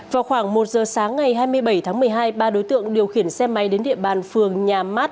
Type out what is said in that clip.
vào khoảng một giờ sáng ngày hai mươi bảy tháng một mươi hai ba đối tượng điều khiển xe máy đến địa bàn phường nhà mát